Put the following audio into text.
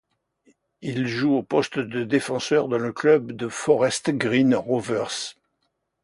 Il joue au poste de défenseur dans le club de Forest Green Rovers.